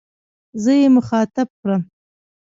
زه يې مخاطب کړم.